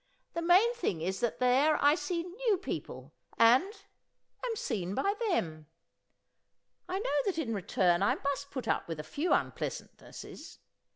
the main thing is that there I see new people and am seen by them. I know that in return I must put up with a few unpleasantnesses.